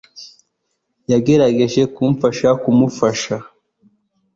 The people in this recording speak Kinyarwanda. yagerageje kumfasha kumufasha